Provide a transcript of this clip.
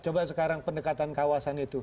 coba sekarang pendekatan kawasan itu